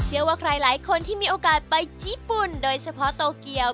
เชื่อว่าใครหลายคนที่มีโอกาสไปญี่ปุ่นโดยเฉพาะโตเกียว